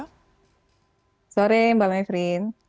selamat sore mbak maifrin